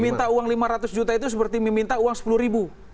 minta uang lima ratus juta itu seperti meminta uang sepuluh ribu